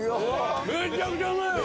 めちゃくちゃうまいよ！